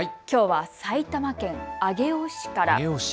きょうは埼玉県上尾市から。